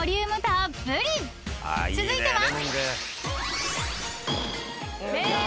［続いては］